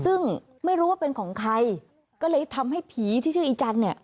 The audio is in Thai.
ซึ่งไม่รู้ว่าเป็นของใครก็เลยทำให้ผีที่ชื่ออีจันเนี่ย